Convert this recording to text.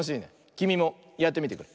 きみもやってみてくれ。